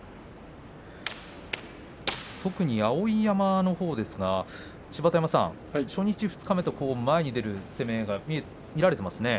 特に碧山のほうですが初日、二日目と前に出る攻めが見られていますね。